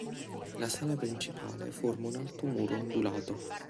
La sala principale forma un alto muro ondulato.